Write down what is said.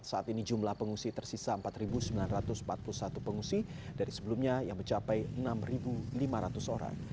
saat ini jumlah pengungsi tersisa empat sembilan ratus empat puluh satu pengungsi dari sebelumnya yang mencapai enam lima ratus orang